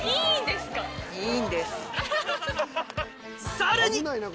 さらに！